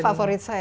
pada favorit saya